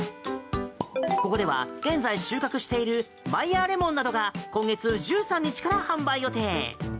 ここでは、現在収穫しているマイヤーレモンなどが今月１３日から販売予定。